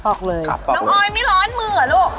ออกเลยน้องออยไม่ร้อนมือเหรอลูก